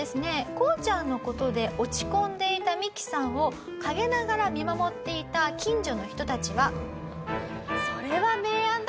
こうちゃんの事で落ち込んでいたミキさんを陰ながら見守っていた近所の人たちは「それは名案だ！